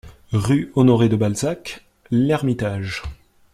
rue Honoré de Balzac, L'Hermitage